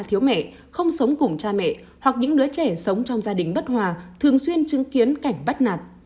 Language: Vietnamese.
thiếu mẹ không sống cùng cha mẹ hoặc những đứa trẻ sống trong gia đình bất hòa thường xuyên chứng kiến cảnh bắt nạt